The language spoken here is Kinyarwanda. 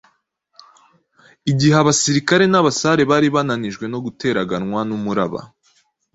igihe abasirikare n’abasare bari bananijwe no guteraganwa n’umuraba,